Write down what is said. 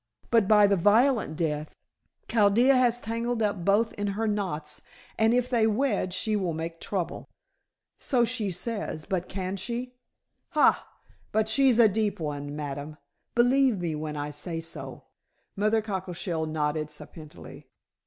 But by the violent death, Chaldea has tangled up both in her knots, and if they wed she will make trouble." "So she says. But can she?" "Hai! But she's a deep one, ma'am, believe me when I say so," Mother Cockleshell nodded sapiently.